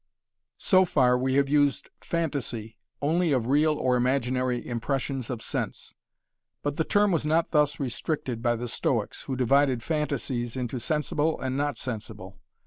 So far we have used "phantasy" only of real or imaginary impressions of sense. But the term was not thus restricted by the Stoics, who divided phantasies into sensible and not sensible.